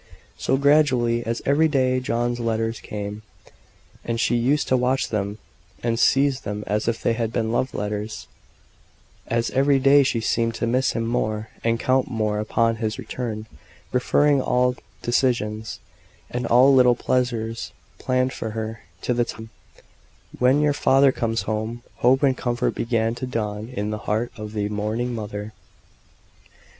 So, gradually, as every day John's letters came, and she used to watch for them and seize them as if they had been love letters; as every day she seemed to miss him more, and count more upon his return; referring all decisions, and all little pleasures planned for her, to the time "when your father comes home;" hope and comfort began to dawn in the heart of the mourning mother.